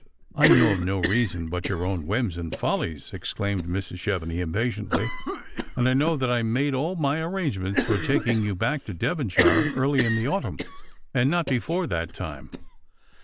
" I know of no reason but your own whims and follies," ex claimed Mrs. Chevenix impatiently; " and I know that I made all my arrangements for taking you back to Devonshire early iu the autumn, and not before that time."